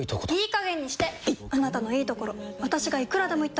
いっあなたのいいところ私がいくらでも言ってあげる！